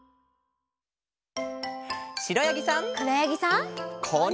しろやぎさん。